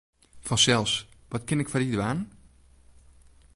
Fansels, wat kin ik foar dy dwaan?